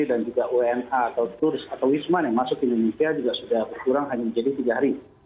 dan juga una atau turs atau wisman yang masuk ke indonesia juga sudah berkurang hanya menjadi tiga hari